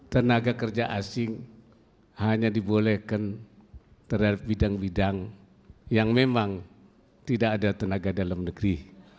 tenaga kerja asing hanya dibolehkan terhadap bidang bidang yang memang tidak ada tenaga dalam negeri